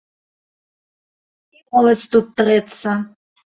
І моладзь тут трэцца.